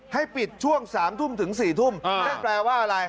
ให้ปิดช่วง๓ทุ่มถึง๔ทุ่มนั่นแปลว่าอะไร